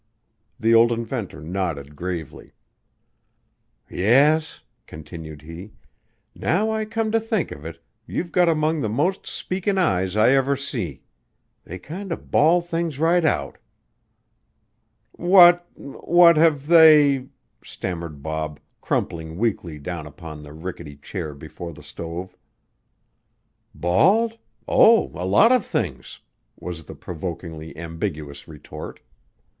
The old inventor nodded gravely. "Yes," continued he, "now I come to think of it, you've got among the most speakin' eyes I ever see. They kinder bawl things right out." "What what have they " stammered Bob, crumpling weakly down upon the rickety chair before the stove. "Bawled? Oh, a lot of things," was the provokingly ambiguous retort.